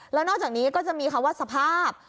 แล้วนอกจากนี้ก็จะมีคำว่าสภาพ